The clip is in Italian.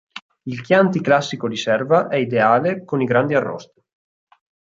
Il Chianti Classico Riserva è ideale con i grandi arrosti.